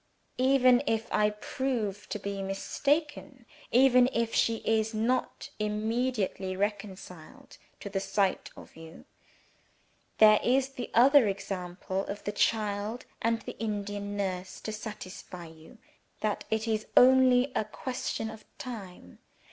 Even if I prove to be mistaken even if she is not immediately reconciled to the sight of you there is the other example of the child and the Indian nurse to satisfy you that it is only a question of time.